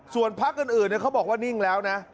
ส่วนพักอื่นเขาบอกว่านิ่งแล้วนะ